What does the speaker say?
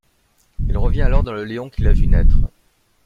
Il revient alors dans le Léon qui l'a vu naître.